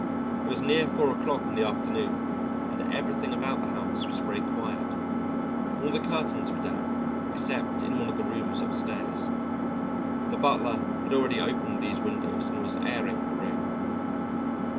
It was near four o'clock in the afternoon, and everything about the house was very quiet. All the curtains were down except in one of the rooms upstairs. The butler had already opened these windows and was airing the room.